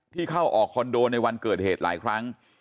เข้าออกคอนโดในวันเกิดเหตุหลายครั้ง